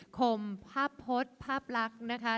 คมภาพพจน์ภาพลักษณ์นะคะ